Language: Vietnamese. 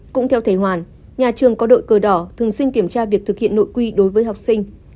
cũng theo thầy hoàn nhà trường có đội cờ đỏ thường xuyên kiểm tra việc thực hiện nội quy đối với học sinh